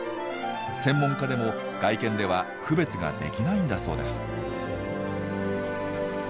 専門家でも外見では区別ができないんだそうです。